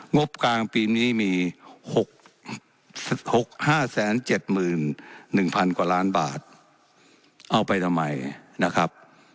งบกลางปีนี้มีหกห้าแสนเจ็ดหมื่นหนึ่งพันกว่าล้านบาทเอาไปทำไมนะครับ